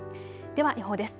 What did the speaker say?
では予報です。